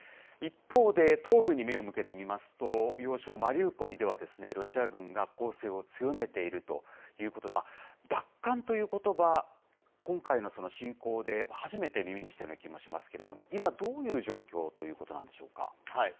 一方で、東部に目を向けてみますと、要衝マリウポリでは、ロシア軍が攻勢を強めているということで、奪還ということば、今回の侵攻で初めて耳にしたような気もしますけれども、今、どういう状況ということなんでしょうか。